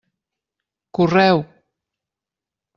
Correu!